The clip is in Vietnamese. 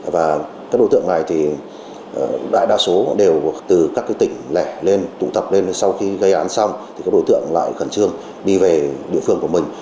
và các đối tượng này thì đại đa số đều từ các tỉnh lẻ lên tụ tập lên sau khi gây án xong thì các đối tượng lại khẩn trương đi về địa phương của mình